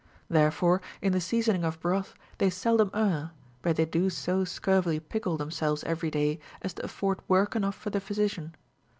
Therefore in the seasoning of broth they seldom err, but they do so scurvily pickle themselves every day as to afford work enough for the physician.